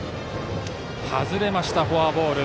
外れました、フォアボール。